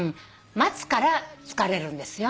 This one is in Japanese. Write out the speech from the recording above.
「待つから疲れるんです」